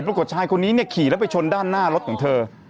ปรากฏชายคนนี้เนี่ยขี่แล้วไปชนด้านหน้ารถของเธอ